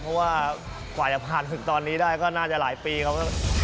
เพราะว่ากว่าจะผ่านถึงตอนนี้ได้ก็น่าจะหลายปีครับ